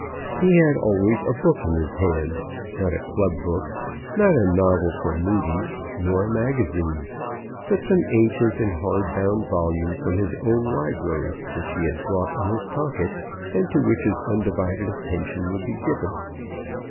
He had always a book in his hand, not a club book, nor a novel from Mudie's, nor a magazine, but some ancient and hard bound volume from his own library, which he had brought in his pocket, and to which his undivided attention would be given.